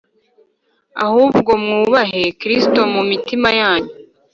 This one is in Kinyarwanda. ahubwo mwubahe Kristo mu mitima yanyu